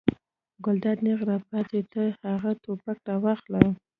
ګلداد نېغ را پاڅېد: ته هغه ټوپک راواخله.